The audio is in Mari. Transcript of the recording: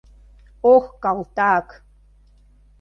Ох, калтак!..